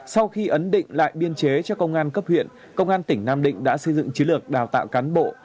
sau khi ấn định lại biên chế cho công an cấp huyện công an tỉnh nam định đã xây dựng chiến lược đào tạo cán bộ